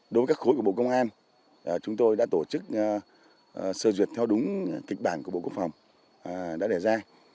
đối với các khối của bộ công an chúng tôi đã tổ chức sơ duyệt theo đúng kịch bản của bộ quốc phòng đã đề ra